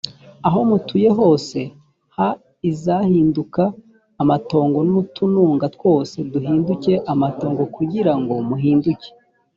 ahomutuye hose haizahinduka amatongo n’utununga twose duhinduke amatongo kugira ngo muhinduke.